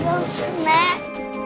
udah usah nek